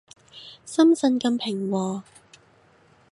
深圳咁平和